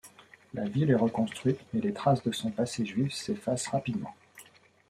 La ville est reconstruite, mais les traces de son passé juif s'effacent rapidement.